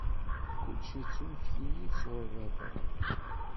Kullec ittunefk-iyi-d sɣur Baba.